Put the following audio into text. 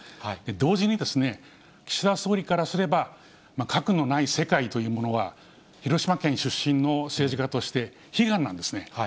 同時に、岸田総理からすれば、核のない世界というものは、広島県出身の政治家として、悲願なんですね。